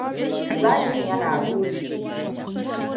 Zakin yana ruri.